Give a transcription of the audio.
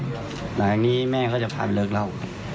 แต่อันนี้แม่ก็จะพาไปเลิกเล่า